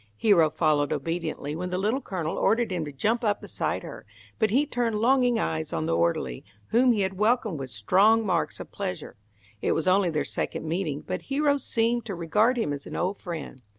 Hero followed obediently, when the Little Colonel ordered him to jump up beside her, but he turned longing eyes on the orderly, whom he had welcomed with strong marks of pleasure. It was only their second meeting, but Hero seemed to regard him as an old friend.